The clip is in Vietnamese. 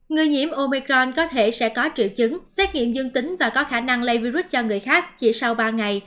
người nhiễm omicron có thể sẽ có triệu chứng xét nghiệm dương tính và có khả năng lây virus cho người khác chỉ sau ba ngày